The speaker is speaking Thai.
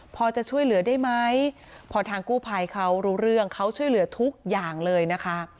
พอจะช่วยเหลือได้ไหมพอทางกู้ภัยเขารู้เรื่องเขาช่วยเหลือทุกอย่างเลยนะคะ